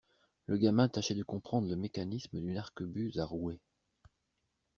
Le gamin tâchait de comprendre le mécanisme d'une arquebuse à rouet.